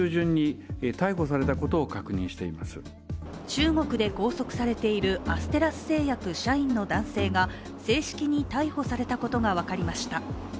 中国で拘束されているアステラス製薬社員の男性が正式に逮捕されたことが分かりました。